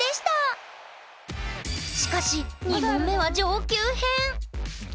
しかし２問目は上級編。